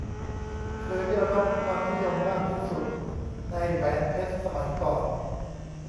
เคยได้รับความนิยมมากที่สุดในแหวนเพชรสมัยก่อน